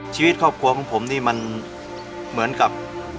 ชีวิตครอบครัวของผมนี่มันเหมือนกับ